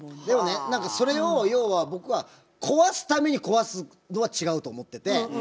でもねそれを要は僕は壊すために壊すのは違うと思ってて。